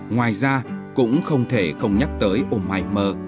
ngoài ra cũng không thể không nhắc tới ômai mơ